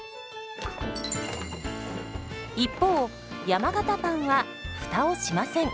一方山型パンはフタをしません。